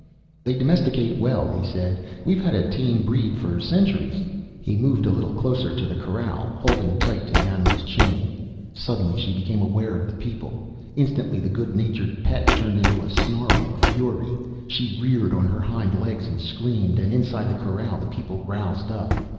"They domesticate well," he said. "We've had a tame breed for centuries." He moved a little closer to the corral, holding tight to the animal's chain. Suddenly she became aware of the people. Instantly the good natured pet turned into a snarling fury. She reared on her hind legs and screamed, and inside the corral the people roused up.